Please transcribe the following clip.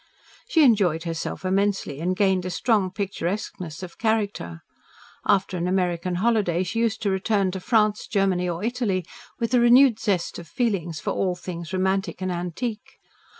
She enjoyed herself immensely and gained a strong picturesqueness of character. After an American holiday she used to return to France, Germany, or Italy, with a renewed zest of feeling for all things romantic and antique.